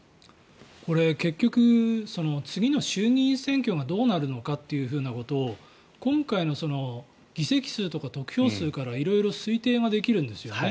これ、結局次の衆議院選挙がどうなるのかということを今回の議席数とか得票数から色々推定ができるんですね。